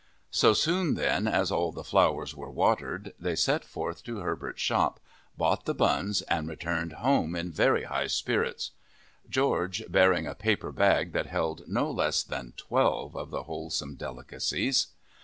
So soon, then, as all the flowers were watered, they set forth to Herbert's shop, bought the buns and returned home in very high spirits, George bearing a paper bag that held no less than twelve of the wholesome delicacies.